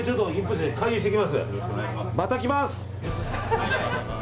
また来ます！